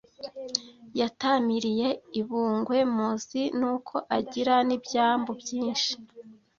Yatamiriye i Bungwe Muzi n’uko agira n’ibyambu byinshi